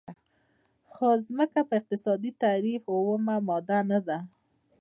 خو ځمکه په اقتصادي تعریف اومه ماده نه ده.